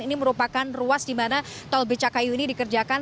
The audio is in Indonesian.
ini merupakan ruas di mana tol becakayu ini dikerjakan